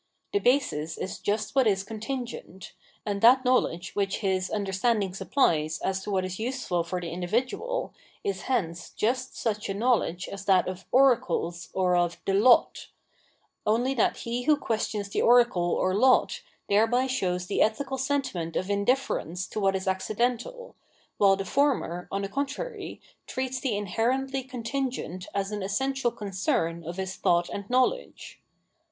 This basis is just what is contingent ; and that knowledge which his understanding supplies as to what is useful for the individual, is hence just such a knowledge as that of " oracles " or of the " lot "; only that he who questions the oracle or lot, thereby shows the ethical sentiment of indifierence to what is accidental, while the former, on the contrary, treats the inherently contingent as an essential concern of his thought and knowledge.